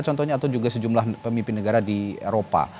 contohnya atau juga sejumlah pemimpin negara di eropa